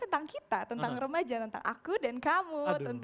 tentang kita tentang remaja tentang aku dan kamu